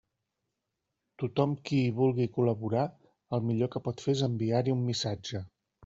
Tothom qui hi vulgui col·laborar el millor que pot fer és enviar-hi un missatge.